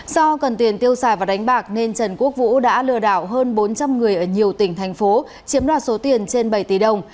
do cần tiền tiêu xài và đánh bạc nên trần quốc vũ đã lừa đảo hơn bốn trăm linh người ở nhiều tỉnh thành phố chiếm đoạt số tiền trên bảy tỷ đồng